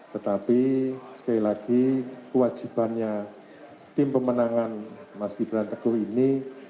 tetapi sekali lagi kewajibannya tim pemenangan mas gibran teguh ini